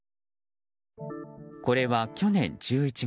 これは去年１１月。